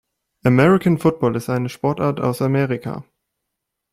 American Football ist eine Sportart aus Amerika.